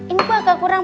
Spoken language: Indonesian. ini agak kurang